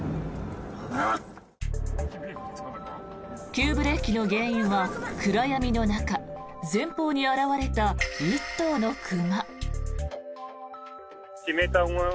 急ブレーキの原因は暗闇の中前方に現れた１頭の熊。